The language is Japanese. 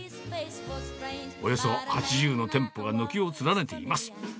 およそ８０の店舗が軒を連ねています。